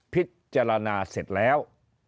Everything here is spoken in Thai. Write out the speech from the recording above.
พิจารณาเสร็จแล้ว